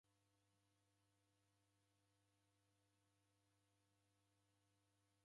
Ndekuna ilaghirio jingi sa ijo na oho